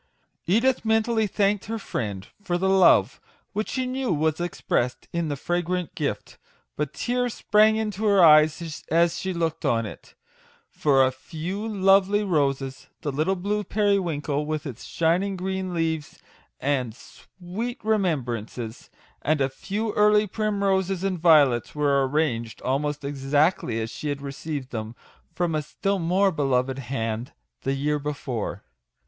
Edith mentally thanked her friend for the love which she knew was expressed in the fragrant gift ; but tears sprang into her eyes as she looked on it ; for a few lovely roses, the little blue periwinkle, with its shining green leaves and " sweet remembrances," and a few early prim roses and violets, were arranged almost exactly as she had received them from a still more beloved hand the year before.